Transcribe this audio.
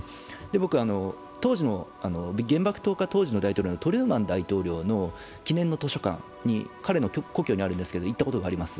僕、原爆投下当時のトルーマン大統領の記念の図書館に、彼の故郷なんですけど、行ったことがあります。